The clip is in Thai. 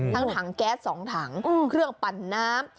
ทั้งถังแก๊ส๒ถังเครื่องปั่นน้ำ